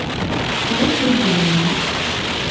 أيكفي هذا المال؟